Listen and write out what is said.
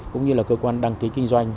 cũng như là cơ quan đăng ký kinh doanh